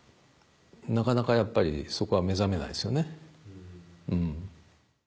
なかなかやっぱりそこは目覚めないですよね。